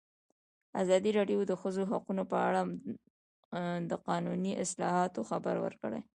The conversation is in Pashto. ازادي راډیو د د ښځو حقونه په اړه د قانوني اصلاحاتو خبر ورکړی.